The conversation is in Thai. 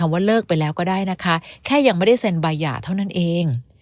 ว่าเลิกไปแล้วก็ได้นะคะแค่ยังไม่ได้เซ็นใบหย่าเท่านั้นเอง